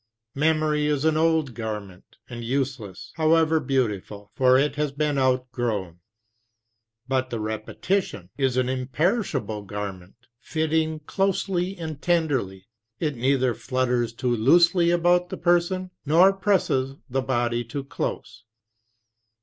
Memory is an old garment, and useless, however beautiful; for it has been outgrown. But the repetition is an imperishable garment, fitting closely and tenderly; it neither flutters too loosely about the person nor presses the body too close.